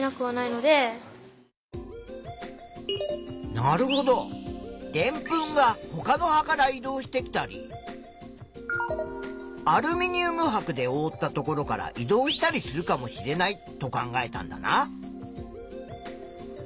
なるほどでんぷんがほかの葉から移動してきたりアルミニウムはくでおおったところから移動したりするかもしれないと考えたんだな。